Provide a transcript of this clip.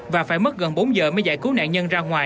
và phải mất gần bốn giờ mới giải cứu nạn nhân ra ngoài